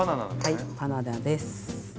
はいバナナです。